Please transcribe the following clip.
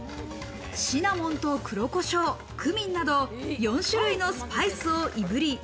シナモンと黒コショウ、クミンなど４種類のスパイスをいぶり。